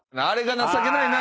情けないな